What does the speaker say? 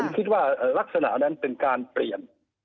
คิดว่าลักษณะนั้นเป็นการเปลี่ยน